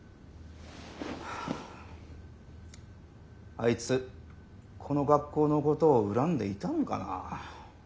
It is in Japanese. あいつこの学校のことを恨んでいたのかなあ。